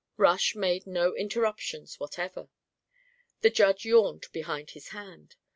Rush made no interruptions whatever. The Judge yawned behind his hand.